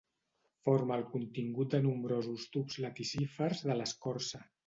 Forma el contingut de nombrosos tubs laticífers de l'escorça.